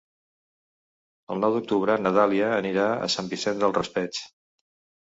El nou d'octubre na Dàlia anirà a Sant Vicent del Raspeig.